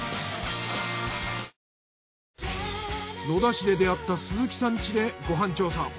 野田市で出会った鈴木さん家でご飯調査。